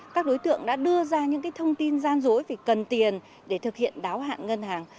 các đối tượng đã đưa ra những thông tin gian dối về cần tiền để thực hiện đáo hạn ngân hàng